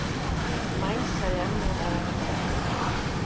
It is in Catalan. Mai serem moneda de canvi.